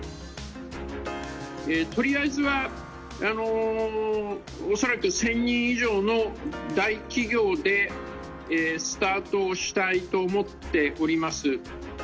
とりあえずは、恐らく１０００人以上の大企業でスタートしたいと思っております。